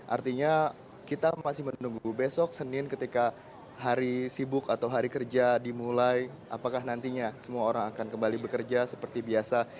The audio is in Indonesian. artinya kita masih menunggu besok senin ketika hari sibuk atau hari kerja dimulai apakah nantinya semua orang akan kembali bekerja seperti biasa